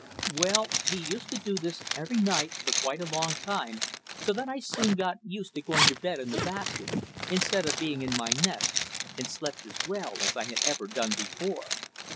Well! he used to do this every night for quite a long time, so that I soon got used to going to bed in the basket, instead of being in my nest, and slept as well as I had ever done before.